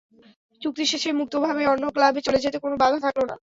চুক্তি শেষে মুক্তভাবে অন্য ক্লাবে চলে যেতে কোনো বাধা থাকল না।